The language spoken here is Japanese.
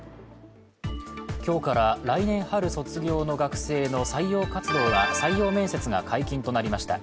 今日から来年春卒業の学生の採用面接が解禁となりました。